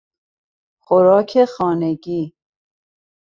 خوراک خانگی